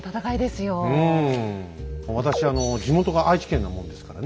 私あの地元が愛知県なもんですからね